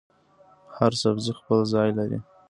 هر سبزي خپل ځای لري.